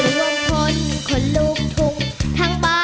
แล้วคือหนูด้วยค่ะ